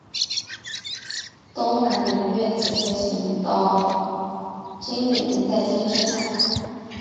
东南菱悦此车型到今日仍在继续生产。